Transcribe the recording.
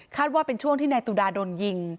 ว่าเป็นช่วงที่นายตุดาโดนยิง